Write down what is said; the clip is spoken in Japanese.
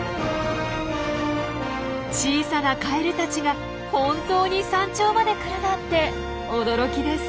小さなカエルたちが本当に山頂まで来るなんて驚きです。